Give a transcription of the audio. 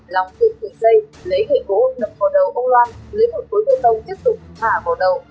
lòng tự khởi dây lấy hệ cố nập vào đầu ông loan lấy một cối thương tông tiếp tục thả vào đầu